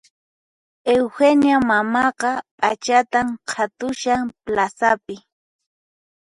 Eugenia mamaqa p'achatan qhatushan plazapi